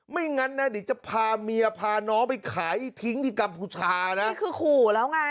ไม่งั้นน่ะดิจะพาเมียพาน้องไปขายทิ้งที่กัมพูชานะ